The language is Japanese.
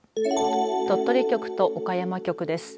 鳥取局と岡山局です。